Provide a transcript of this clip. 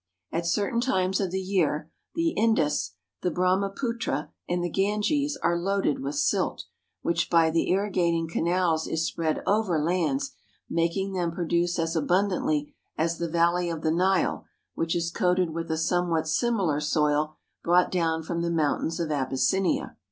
At certain times of the year, the Indus, the Brahmaputra, and the Ganges are loaded with silt, which by the irrigating canals is spread over lands, making them produce as abundantly as the valley of the Nile which is coated with a somewhat similar soil brought down from the mountains of Abyssinia.